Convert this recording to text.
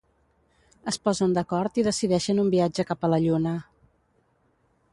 Es posen d'acord i decideixen un viatge cap a la Lluna.